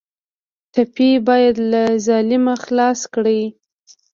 ټپي باید له ظلمه خلاص کړئ.